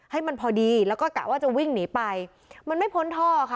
ให้มันพอดีแล้วก็กะว่าจะวิ่งหนีไปมันไม่พ้นท่อค่ะ